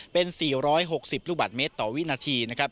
เป็น๔๖๐ลูกบาทเมตรต่อวินาทีนะครับ